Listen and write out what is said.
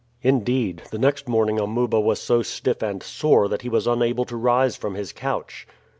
Indeed, the next morning Amuba was so stiff and sore that he was unable to rise from his couch.